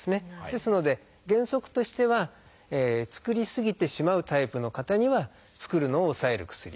ですので原則としては作りすぎてしまうタイプの方には作るのを抑える薬。